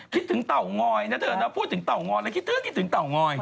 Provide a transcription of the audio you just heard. คิดถึงเต่างอยนะเถอะพูดถึงเต่างอยแล้วคิดถึงเต่างอย